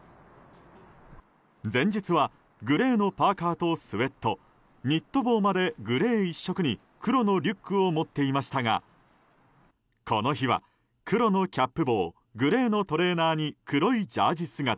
前日は、グレーのパーカとスウェットニット帽までグレーの１色に黒のリュックを持っていましたがこの日は黒のキャップ帽グレーのトレーナーにグレーのジャージー姿。